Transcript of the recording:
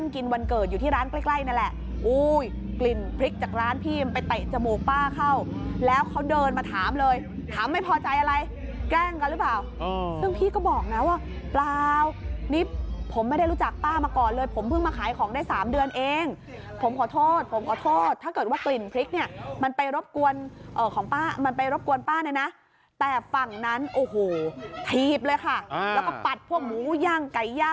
กลิ่นพริกจากร้านพี่ไปเตะจมูกป้าเข้าแล้วเขาเดินมาถามเลยถามไม่พอใจอะไรแกล้งกันหรือเปล่าอ๋อซึ่งพี่ก็บอกนะว่าเปล่านี่ผมไม่ได้รู้จักป้ามาก่อนเลยผมเพิ่งมาขายของได้สามเดือนเองผมขอโทษผมขอโทษถ้าเกิดว่ากลิ่นพริกเนี้ยมันไปรบกวนเอ่อของป้ามันไปรบกวนป้าเนี้ยนะแต่ฝั่งนั้นโอ้โหทีบเลยค่ะอ่า